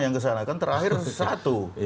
yang kesana kan terakhir satu